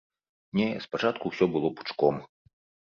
Не, спачатку ўсё было пучком.